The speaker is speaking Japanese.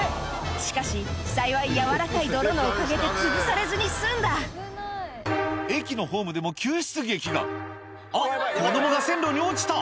しかし幸い軟らかい泥のおかげでつぶされずに済んだ駅のホームでも救出劇があっ子供が線路に落ちた！